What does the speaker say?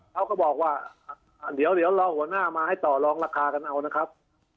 เขาก็บอกว่าเดี๋ยวรอหัวหน้ามาให้ต่อลองราคากันเอานะครับ